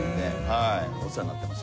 お世話になってます。